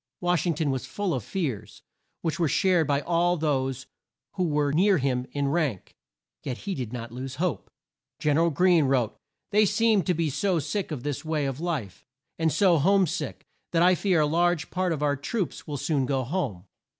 Wash ing ton was full of fears, which were shared by all those who were near him in rank, yet he did not lose hope. Gen er al Greene wrote, "They seem to be so sick of this way of life, and so home sick, that I fear a large part of our best troops will soon go home."